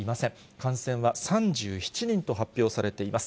感染は３７人と発表されています。